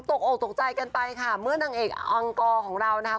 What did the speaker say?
ออกตกใจกันไปค่ะเมื่อนางเอกอังกอร์ของเรานะคะ